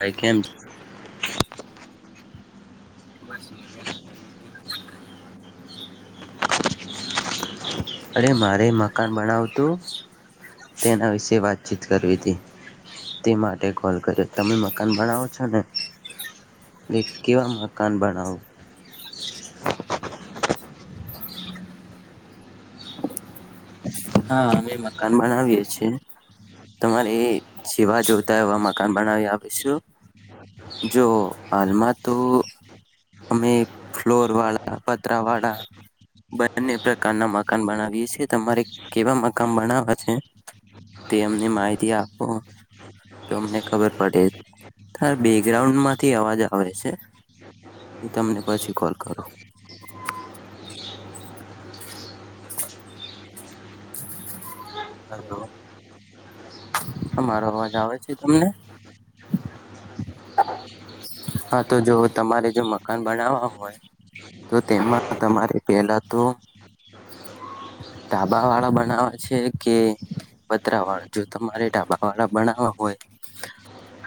ભાઈ કેમ છો? [inaudible] અરે મારે મકાન બનાવતું તેના વિશે વાતચીત કરવી હતી તે માટે કોલ કર્યો તમે મકાન બનાવો છો ને કેવા મકાન બનાવો. હા અમે મકાન બનાવીએ છીએ તમારે જેવા જોતા એવા મકાન બનાવી આપશું જો હાલમાં તો અમે ફ્લોર વાળા પતરા વાળા બંને પ્રકારના મકાન બનાવીએ છ છેએ તમારે કેવા મકાન બનાવા છે તે અમને માહિતી આપો તો અમને ખબર પડે ત બેકગ્રાઉન્ડમાંથી અવાજ આવે છે. હું તમને પછી કોલ કરું. અમારો અવાજ આવે છે તમને? હા તો જો તમારે જો મકાન બનાવવા હોય તો તેમાં તમારે પેલા તો ઢાબા વાળા બનાવા છે કે પત્રરા વાળા જો તમારેઢાબા વાળા બનાવા હોય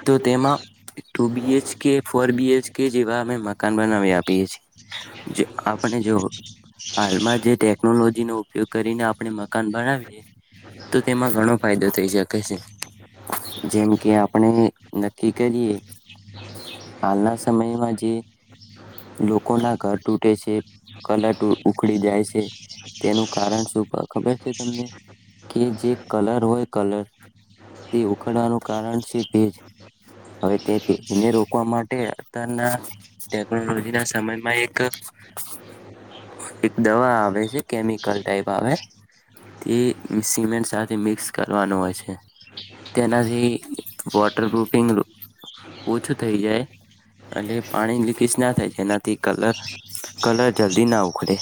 તો તેમાં ટુ બીએચકે ફર બીએચકે જેવા અમે મકાન બનાવી આપીએ આપણે જો હાલમાં જે ટેકનોલોજી નો ઉપયોગ કરીને આપણે મકાન બનાવીએ તો તેમાં ઘણો ફાયદો થઈ શકે છે જેમ કે આપણે નક્કી કરીએ હાલના સમયમાં જે લોકો ના ઘર તૂટે છે કલ ઉખડી જાય છે. તેનું કારણ શું ખબર છે તમને કે જે કલર હોય કલર તે ઉકડવાનું કારણ છે ભેજ હવે તે ભેજને રોકવા માટે અત્યારના ટેકનોલોજી ના સમયમાં એક એક દવા આવે છે. કેમિકલ ટાઈપ આવે તે સિમેન્ટ સાથે મિક્સ કરવાનું હોય છે તેનાથી વોટરપૂફિંગ ઓછું થઈ જાય અને પાણી લીકેજ ના થાય જેનાથી કલર કલર જલ્દી ના ઉખડે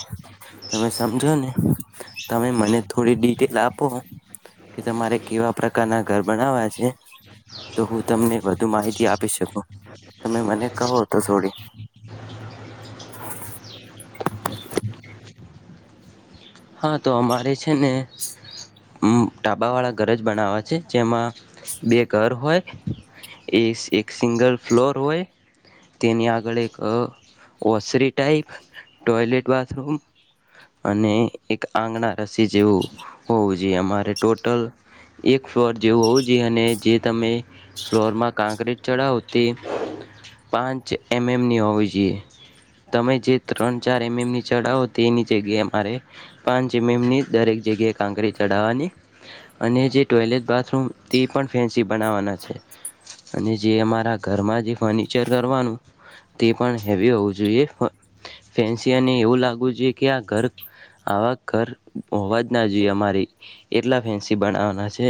તમે સમજો ને તમે મને થોડી ડિટેલ આપો કે તમારે કેવા પ્રકારના ઘર બનાવવા છે તો હું તમને વધુ માહિતી આપી શકું તમે મને કહો તો થોડી હા તો અમારે છે ને ડાબાવાળા ઘર જ બનાવા્યા છે જેમાં બે ઘર હોય એ એક સિંગલ ફ્લોર હોય તેની આગળ એક ઓસરી ટાાઈપ ટોયલેટ બાથરૂમ અને એક આંગણા રસી જેવું હોવું જોઈએ અમારે ટોટલ એક ફ્લોર જેવું હોવું જોઈએ અને જે તમે ફ્લોરમાં કાંક્રીટ ચડાવો તે પાંચ એમ એમની હોવી જોઈએ તમે જે ત્રણ ચાર એમ એમની ચડાવો તે એની જગ્યાએ અમારે પાંની દરેક જગ્યાએ કાંકરી ચડાવવાની અને જે ટોયલેટ બાથરૂમ તે પણ ફેન્સી બનાવવાના છે અને જે અમારા ઘરમાં જે ફર્નિચર કરવાનું તે પણ હેવી હોવું જોઈએ ફેન્સી એવું લાગવું જોઈએ કે આ ઘર આવા ઘર હોવા જ ના જોઈએ અમારી એટલા ફેન્સી બનાવવાના છે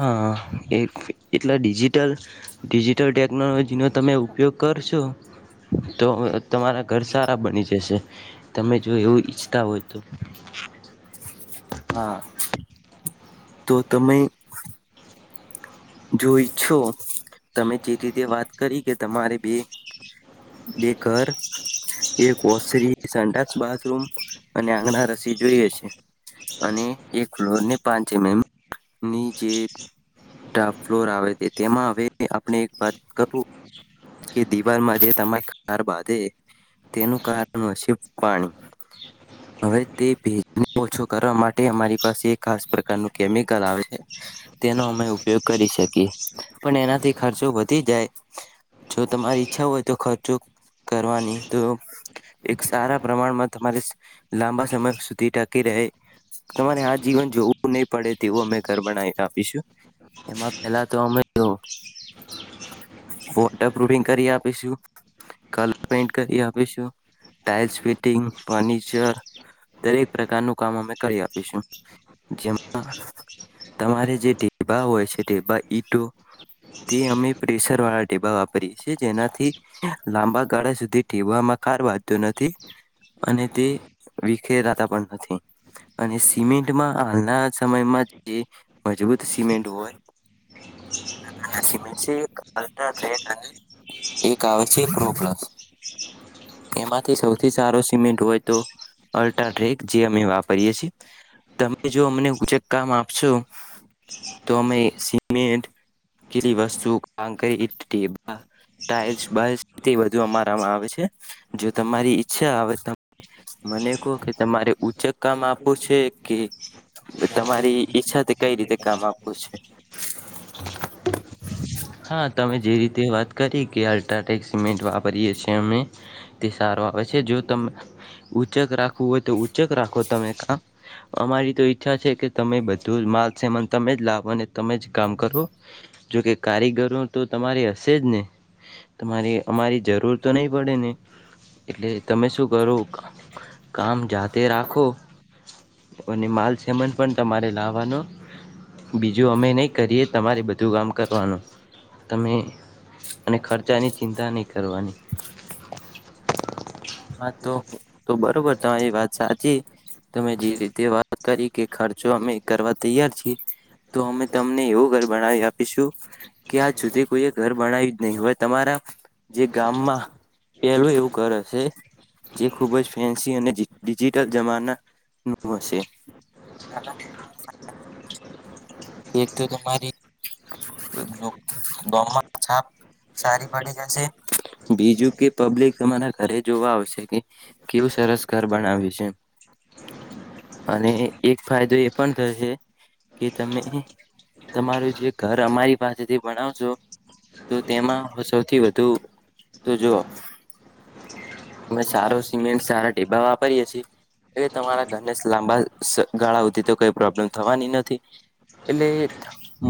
હા એ એટલા ડિજિટલ ડિજિટલ ટેકનોલોજીનો તમે ઉપયોગ કરશો તો તમારા ઘર સારા બની જશે તમે જો એવું ઈચછ ત હોય તો હા તો તમે જોઈ છો તમે જે રીતે વાત કરી કે તમારે બે બે ઘર એક વસરી સંક્ષ બાથરૂમ અને આંગણા રસી જોઈએ છે અને એક ફ્લોર ને પાંચ એમ એમ ની જે ટ ફ્લોર આવે છે તેમાં હવે આપણે એક વાત કર કે દિવાલમાં જે તમારી બા તેનું કારણ હશે પાણી હવે તે ભેજ ઓછું કરવા માટે અમારી પાસે ખાસ પ્રકારનું કેમિકલ આવે છે તેનો અમે ઉપયોગ કરી શકીએ પણ એનાથી ખર્ચો વધી જાય. જો તમારી ઈચ્છા હોય તો ખર્ચો કરવાની તો એક સારા પ્રમાણમાં તમારે લાંબા સમય સુધી ટકી રહે તમારે આ જીવન જોવું નહી પડે તેવું અમે ગબના આપીશું. એમાં પેલા તો અમે વોટરપુફિંગ કરી આપીશું કલરપેન્ટ કરી આપીશું ટાાઈલ્સ ફિટિંગ ફર્નિચર દરેક પ્રકારનું કામ અમે કરી આપીશું જેમાં તમારે જે ઢીબા હોય છે. ઢબા ઈટો તે અમે પ્રેશર વાળા ઢેબા વાપરીએ છ છેીએ જેનાથી લાંબા ગાળા સુધી ઢેબામાં કાર વાંધતો નથી અને તે વિખેરાતા પણ નથી અને સિમેન્ટમાં હાલના સમયમાં જે મજબૂત સિમેન્ટ હોય. મેન્ટ છે અલ્ટક અને એક આવે છે રો એમાંથી સૌથી સારો સિમેન્ટ હોય તો અલ્ટ્રા ટ્રેક જે અમે વાપરીએ છેએ તમે જો અમને ઉચેક કામ આપશો તો અમે સિમેન્ટ કેલી વસ્તુ ક ટાઈલ્સુ અમારામાં આવે છે જો તમારી ઈચ્છા આવે મને કહો કે તમારે ઉચક કામ આપું છે કે તમારી ઈચ્છાથી કઈ રીતે કામ આપવું છે. હા તમે જે રીતે વાત કરી કે અલ્ટ્રાટેક સિમેન્ટ વાપરીએ છીએ અમે તે સારું આપે છે જો ત ઉઊંચક રાખવું હોય તો ચેક રાખો તમે કા અમારી તો ઈચ્છા છે કે તમે બધું માલ સમાન તમે જ લાવો અને તમે જ કામ કરો જોકે કારીગરો તો તમારે હશે જ ને તમારે અમારી જરૂર તો નહીં પડે ને એટલે તમે શું કરો કામ? જાતે રાખો. અને માલ સમન પણ તમારે લાવવાનો બીજું અમે નહીં કરીએ તમારે બધું કામ કર વાનો તમે અને ખર્ચાની ચિંતા નહીં કરવાની હા તો તો બરોબર તમારી વાત સાચી તમે જે રીતે વાત કરી કે ખર્ચો અમે કરવા તૈયાર છીએ. તો અમે તમને એવું ઘર બનાાવ આપીશું કે આ જુદી કોઈએ ઘર બણાવ્યું નહી હવે તમારા જે ગામમાં પેલું એવું ઘર હશે જે ખુબ જ ફેન્સી અને ડિજિટલ જમાના નું હશે કે તો તમારી ગામ મા છાપ સારી પડી જશે બીજું કે પબ્લિક તમારા ઘરે જોવા આવશે કે કેવું સરસ ઘર બનાવે્યું છે અને એક ફાયદો એ પણ થશે કે તમે તમારું જે ઘર અમારી પાસેથી ભણાવ છો તો તેમાં સૌથી વધુ તો જોઓ અમે સારો સિમેન્ટ સારા ડઢીબા વાપરીએ છીએ એટલે તમારા ઘરને લાંબા ગાળાઓધી તો કઈ પ્રોબ્લેમ થવાની નથી એટલે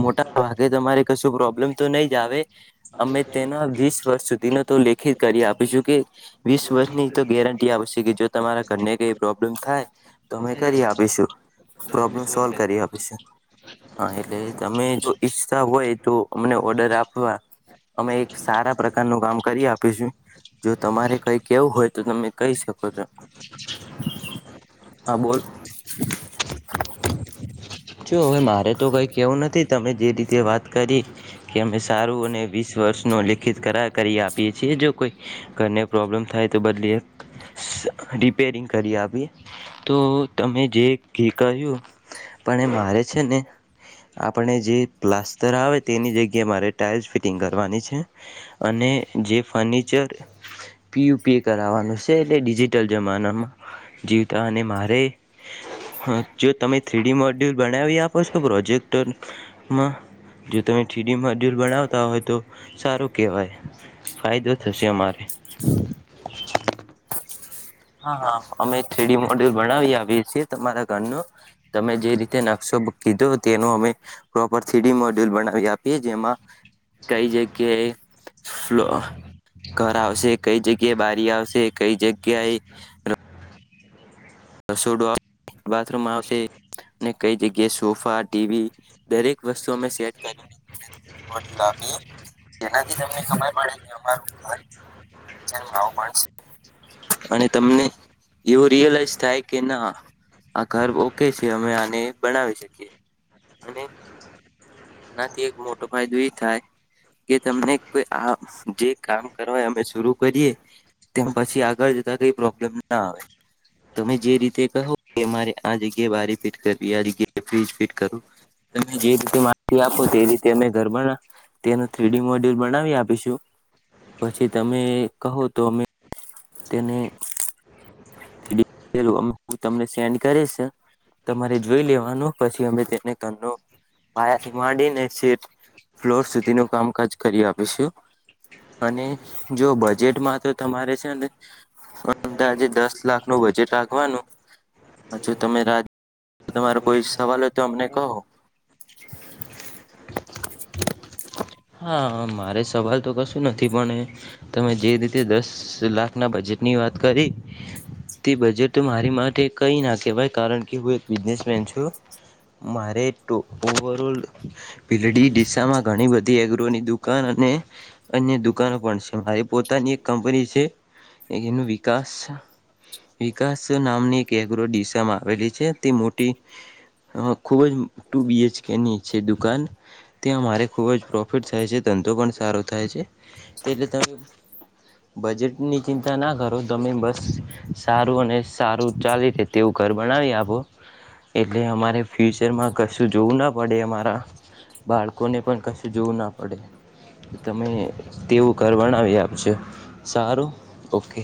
મોટા ભાગે તમારે કશું પ્રોબ્લેમ તો નહી જ આવે અમે તેના વીસ વર્ષ સુધીનો તો લેખિત કરી આપીશું કે વીસ વર્ષની તો ગેરંટી આવેશે કે જો તમારા ઘરને કંઈ પ્રોબ્લમ થાય તો અમે કરી આપીશું પ્રોબ્લમ સોલ્વ કરી આપીશું હા એટલે તમે જો ઈચ્છ હોય તો અમને ઓર્ડર આપવા અમે એક સારા પ્રકારનું કામ કરી આપીશું જો તમારે કઈ કેવું હોય તો તમે કહી શકો છો હા બોલ જો હવે મારે તો કઈ કેવું નથી તમે જે રીતે વાત કરી કે અમે સારું અને વીસ વર્ષ નો લેખિત કર કરી આપીએ છીએ જો કોઈ ઘરને પ્રોબ્લેમ થાય તો બદલી રિપેરિંગ કરી આપીએ તો તમે જે કહ્યું પણ મારે છે ને આપણે જે પ્લાસ્ટર આવે તેની જગ્યાએ મારે ટાઇલ્સ ફિટિંગ કરવાની છે અને જે ફર્નિચર પીયુ પીએ કરાવવાનું છે એટલે ડિજિટલ જમાનામાં જીવતા અને મારે જો તમે થ્રીડી મોડ ડ્યુલ બનાવી આપો છો તો પ્રોજેક્ટમાં જો તમે ટીડી મોડ્યુલ બનાવતા હોય તો સારું કહેવાય ફાયદો થશે અમારે હા હા અમે થ્રિડી મોડ્યુલ બનાવી આપએ છીએ તમારા ઘરનો તમે જે રીતે નકશો કીધો તેનો અમે પ્રોપર થ્રીડી મોડ્યુલ બનાવી આપીએ જેમાં કઈ જગ્યાએ ફલો ઘર આવશે કઈ જગ્યાએ બારી આવશે કઈ જગ્યાએ રસોડો આવશે બાથરૂમ આવશે અને કઈ જગ્યાએ સોફા ટીવી દરેક વસ્તુ અમે સેટ કરી [unintelligible] અને તમને એવું રિયલાઈઝ થાય કે ના આ ઘર ઓકે છે અમે આને બનાવી શકીએ અને આનાથી એક મોટો ફાયદો એ થાય કે તમને કોઈ આ જે કામ કરવા અમે શરૂ કરીએ તેમ પછી આગળ જતા કઈ પ્રોબ્લેમ ના આવે તમે જે રીતે કહો કે અરે આ જગ્યાએ બારી ફીટ કરવી આ જગ્યાએ ફ્રિજ ફીટ કરવું જે રી. આપો તે રીતે અમે ઘરમા ના તેનું થ્રીડી મોડ્યુલ બનાવી આપીશું પછી તમે કહો તો અમે. તેને હું તમને સેન્ડ કરીશ તમારે જોઈ લેવાનું પછી અમે તેને ત પાયાથી માંડીને સે ફ્લોર સુધી ન કામકાજ કરી આપીશું અને જો બજેટમાં તો તમારે છે ને. તો આજે દસ લાખ નું બજેટ રાખવાનું હ જો તમે તમારો કોઈ સવાલ હોય તો અમને કહો. હા મારે સવાલ તો કશું નથી પણ તમે જે રીતે દસ લાખ ના બજેટની વાત કરી તે બજેટ મારી માટે કઈ ના કહેવાય કારણ કે હું એક બિઝનેસમેન છું મારે ઓવર ઓલડ [unintelligible] ઘણી બ ઘી એગ્રની દુકાન અને અન્ય દુકાનો પણ છે મારી પોતાની એક કંપની છે એનું વિકાસ વિકાસ નામની એક એગ્ર દિશમાં આવેલી છે તે મોટી ખૂબ જ ટુ બી એચકે ની છે દુકાન ત્યાં મારે ખૂબ જ. પ્રોફિટ થાય છે ધંધો પણ સારો થાય છે એટલે તમે બજેટની ચિંતા ના કરો તમે બસ સારું અને સારું ચાલી રહે તેવું ઘર બનાવી આપો એટલે અમારે ફ્યુચરમાં કશું જોવું ના પડે અમારા બાળકોને પણ કશું. જોવું ના પડે તમે તેવું ધર બનાવી આપજો સારું ઓકે.